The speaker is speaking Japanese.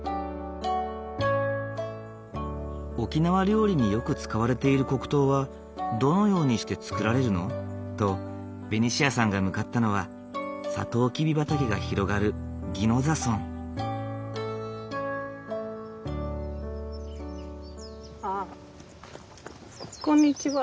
「沖縄料理によく使われている黒糖はどのようにして作られるの？」とベニシアさんが向かったのはサトウキビ畑が広がるあっこんにちは。